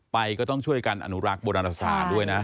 ก็ต้องช่วยกันอนุรักษ์โบราณศาสตร์ด้วยนะ